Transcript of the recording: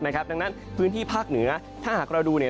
ดังนั้นพื้นที่ภาคเหนือถ้าหากเราดู